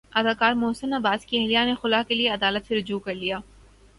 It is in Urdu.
اداکار محسن عباس کی اہلیہ نے خلع کے لیے عدالت سےرجوع کر لیا